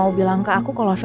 hari ini saat rabu